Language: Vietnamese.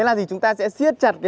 rồi xuống đến nơi